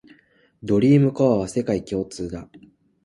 ドリームコアは世界共通だ